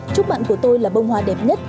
chúc bạn của tôi là bông hoa đẹp nhất